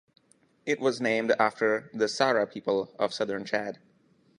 It was named after the Sara people of southern Chad.